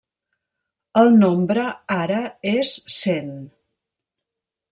El nombre ara és cent.